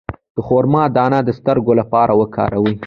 د خرما دانه د سترګو لپاره وکاروئ